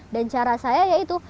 dan cara saya yaitu